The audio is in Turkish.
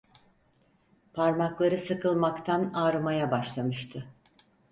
Parmakları sıkılmaktan ağrımaya başlamıştı.